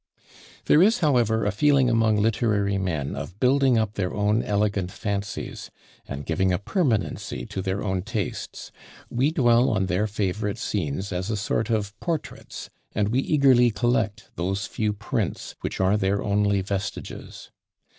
There is, however, a feeling among literary men of building up their own elegant fancies, and giving a permanency to their own tastes; we dwell on their favourite scenes as a sort of portraits, and we eagerly collect those few prints, which are their only vestiges.